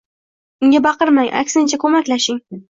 unga baqirmang, aksincha, ko‘maklashing.